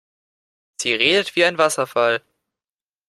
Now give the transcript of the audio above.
Sie redet wie ein Wasserfall.